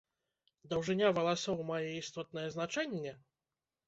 Даўжыня валасоў мае істотнае значэнне?